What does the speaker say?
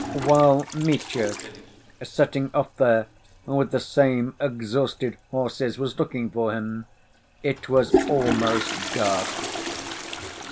While Mitya, setting off there with the same exhausted horses, was looking for him, it was almost dark.